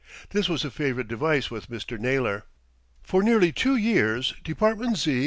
This was a favourite device with Mr. Naylor. For nearly two years Department Z.